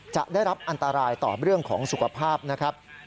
จะได้รับอันตรายต่อเรื่องของสุขภาพนะครับ